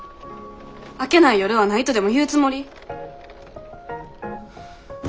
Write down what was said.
明けない夜はないとでも言うつもり！？